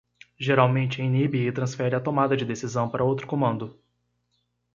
Geralmente inibe e transfere a tomada de decisão para outro comando.